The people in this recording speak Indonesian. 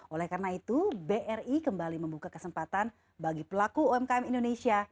oleh karena itu bri kembali membuka kesempatan bagi pelaku umkm indonesia